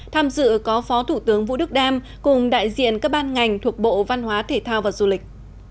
tham dự có phó thủ tướng vũ đức đam cùng đại diện các ban ngành thuộc bộ văn hóa thể thao và du lịch